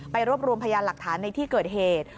รวบรวมพยานหลักฐานในที่เกิดเหตุ